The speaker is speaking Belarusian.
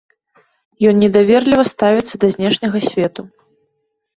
Ён недаверліва ставіцца да знешняга свету.